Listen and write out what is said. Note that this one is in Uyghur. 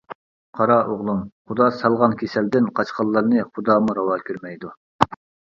قارا ئوغلۇم خۇدا سالغان كېسەلدىن قاچقانلارنى خۇدامۇ راۋا كۆرمەيدۇ.